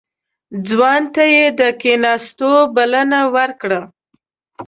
ځوان ته يې د کېناستو بلنه ورکړه.